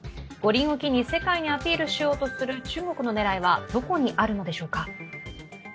五輪を機に世界にアピールしようとする中国の狙いはどこにあるのでしょうか。